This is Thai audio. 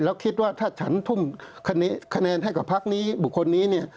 แล้วคิดว่าถ้าฉันทุ่มคะแนนให้กับพักนี้บุคคลนี้เนี่ย